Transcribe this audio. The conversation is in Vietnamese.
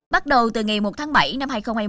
bắt đầu từ ngày một tháng bảy năm hai nghìn hai mươi